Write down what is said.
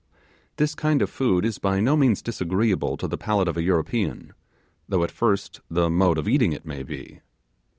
This kind of food is by no means disagreeable to the palate of a European, though at first the mode of eating it may be.